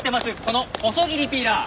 この細切りピーラー。